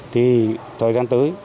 thì thời gian tới